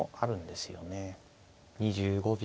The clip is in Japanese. ２５秒。